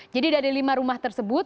jadi dari lima rumah tersebut